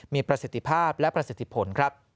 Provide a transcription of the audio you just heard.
มีประสิทธิภาพและประสิทธิผลครับ